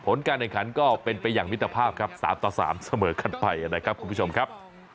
ผลการแข่งขันก็เป็นไปอย่างมิตรภาพครับ๓ต่อ๓เสมอกันไปนะครับคุณผู้ชมครับ